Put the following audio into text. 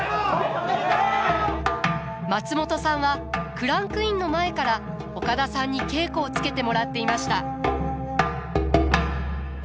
松本さんはクランクインの前から岡田さんに稽古をつけてもらっていました。